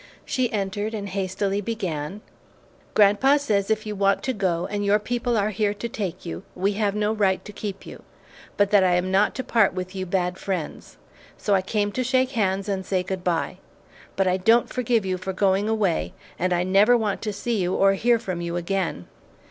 She entered and hastily began, "Grandpa says, if you want to go, and your people are here to take you, we have no right to keep you; but that I am not to part with you bad friends. So I came to shake hands and say good bye. But I don't forgive you for going away, and I never want to see you or hear from you again!"